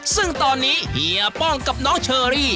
ซึ่งตอนนี้เฮียป้องกับน้องเชอรี่